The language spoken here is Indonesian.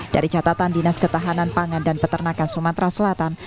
dari catatan dinas ketahanan pangan dan peternakan sumatera selatan